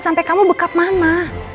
sampai kamu bekap mama